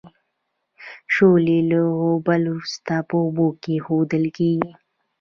شولې له غوبل وروسته په اوبو کې اېښودل کیږي.